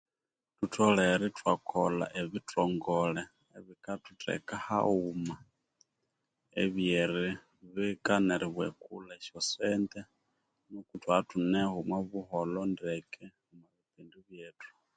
Thutholere ithwakole ibithongole enikathutheka haghuma ebyeribika neribwekulha esyosente niku ithwabya ithuneho omwabuholho ndeke nebindu byethu